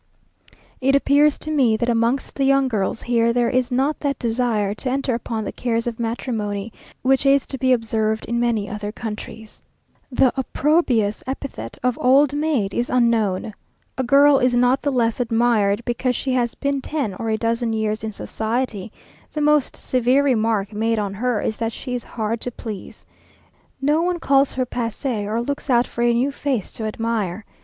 It appears to me, that amongst the young girls here there is not that desire to enter upon the cares of matrimony, which is to be observed in many other countries. The opprobious epithet of "old maid" is unknown. A girl is not the less admired because she has been ten or a dozen years in society; the most severe remark made on her is that she is "hard to please." No one calls her passee, or looks out for a new face to admire.